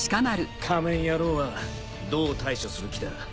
仮面野郎はどう対処する気だ？